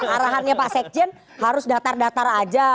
arahannya pak sekjen harus datar datar aja